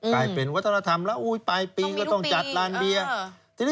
รายเป็นวัฒนธรรมแล้วปลายปีก็ต้องจัดลานเบียน